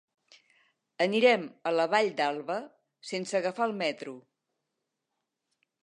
Anirem a la Vall d'Alba sense agafar el metro.